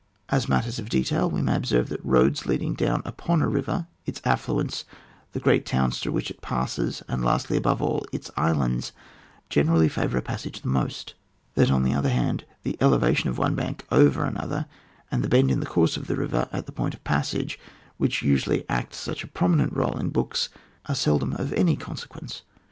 As matters of detail, we may observe that roads leading down upon a river, its affluents, the g^eat towns through which it passes, and lastly above aU, its islands, generally favour a passage the most; that on the other hand, the elevation of one bank over another, and the bend in the course of the river at the point of passage, which usually act such a pro minent role in books, are seldom of any consequence.